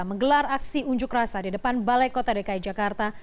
menggelar aksi unjuk rasa di depan balai kota dki jakarta